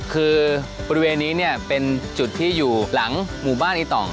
คือบริเวณนี้เนี่ยเป็นจุดที่อยู่หลังหมู่บ้านอีต่อง